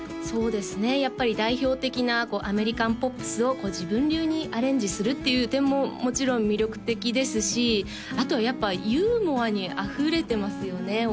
そうですねやっぱり代表的なアメリカンポップスを自分流にアレンジするっていう点ももちろん魅力的ですしあとはやっぱユーモアにあふれてますよね